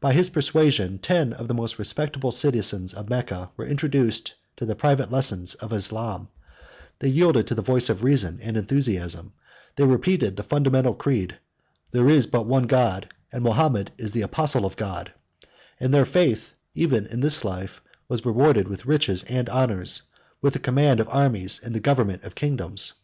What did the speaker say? By his persuasion, ten of the most respectable citizens of Mecca were introduced to the private lessons of Islam; they yielded to the voice of reason and enthusiasm; they repeated the fundamental creed, "There is but one God, and Mahomet is the apostle of God;" and their faith, even in this life, was rewarded with riches and honors, with the command of armies and the government of kingdoms.